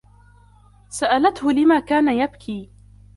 سَأَلَتهُ لما كان يبكي.